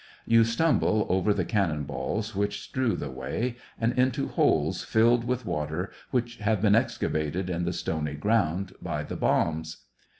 You stumble over the can non balls which strew the way, and into holes SEVASTOPOL IN DECEMBER. 23 filled with water, which have been excavated in the stony ground by the bombs.